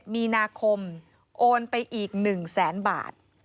๒๗มีนาคมโอนไปอีก๑๐๐๐๐๐บาท